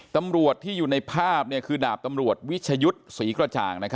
ตำรวจที่อยู่ในภาพคือดาบตำรวจวิชยุทธ์ศรีกระจ่าง